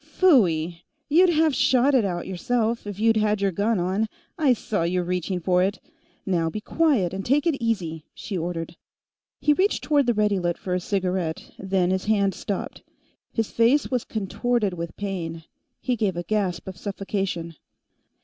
"Phooy; you'd have shot it out, yourself, if you'd had your gun on. I saw you reaching for it. Now be quiet, and take it easy," she ordered. He reached toward the Readilit for a cigarette, then his hand stopped. His face was contorted with pain; he gave a gasp of suffocation.